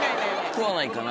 食わないかな。